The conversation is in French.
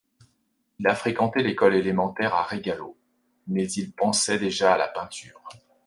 Il a fréquenté l'école élémentaire à Reggello, mais il pensait déjà à la peinture.